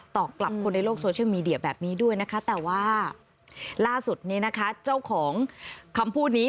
กลับคนในโลกโซเชียลมีเดียแบบนี้ด้วยนะคะแต่ว่าล่าสุดนี้นะคะเจ้าของคำพูดนี้